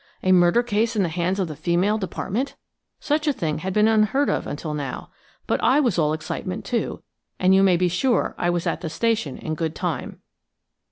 A murder case in the hands of the Female Department! Such a thing had been unheard of until now. But I was all excitement, too, and you may be sure I was at the station in good time.